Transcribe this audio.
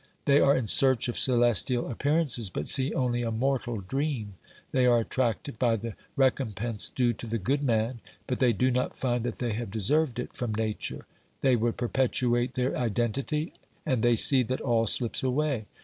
They are in search of celestial appear ances but see only a mortal dream ; they are attracted by the recompense due to the good man, but they do not find that they have deserved it from Nature; they would perpetuate their identity, and they see that all slips away.